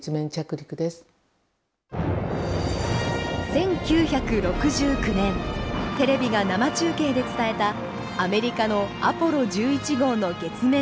１９６９年テレビが生中継で伝えたアメリカのアポロ１１号の月面着陸。